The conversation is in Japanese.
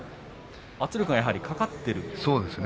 圧力がやはりかかっているんですね。